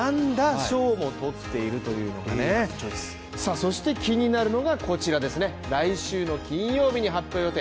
そして気になるのがこちらですね、来週の金曜日に発表予定。